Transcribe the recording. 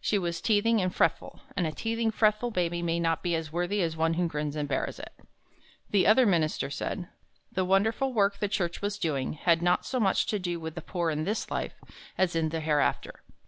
She was teething and fretful, and a teething, fretful baby may not be as worthy as one who grins and bears it. The other minister said, "The wonderful work the Church was doing, had not so much to do with the poor in this life, as in the hereafter."